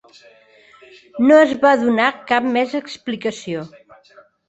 No es va donar cap més explicació.